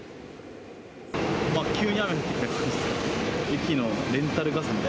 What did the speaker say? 急に雨降ってきた感じですかね。